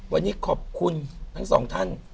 วันนี้ขอบคุณทั้งสองท่าน